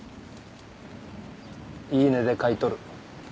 言い値で買い取る